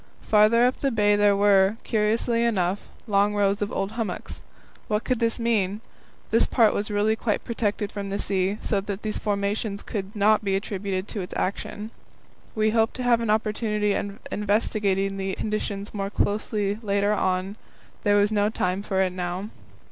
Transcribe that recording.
Farther up the bay there were, curiously enough, long rows of old hummocks. What could this mean? This part was really quite protected from the sea, so that these formations could not be attributed to its action. We hoped to have an opportunity of investigating the conditions more closely later on; there was no time for it now.